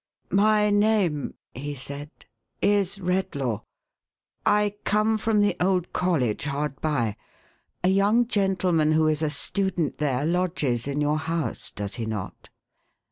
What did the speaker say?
" My name," he said, " is Redlaw. I come from the old college hard by. A young gentleman who is a student there, lodges in your house, does he not